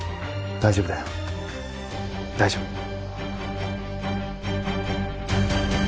大丈夫だよ大丈夫。